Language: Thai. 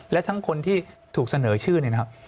และทั้งคนที่ถูกเสนอชื่อ